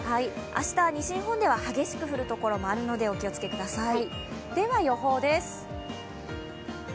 明日、西日本では激しく降るところもあるので、お気をつけください。